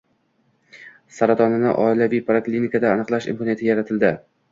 Saratonni oilaviy poliklinikada aniqlash imkoniyati yaratilding